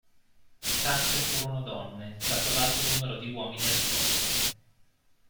Tante furono donne, dato l'alto numero di uomini al fronte.